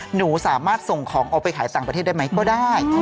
หนูสามารถส่งของเอาไปขายต่างประเทศได้ไหมก็ได้